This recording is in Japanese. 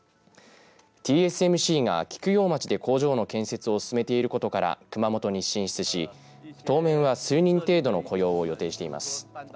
ＴＳＭＣが菊陽町で工場の建設を進めていることから熊本に進出し当面は数人程度の雇用を予定しています。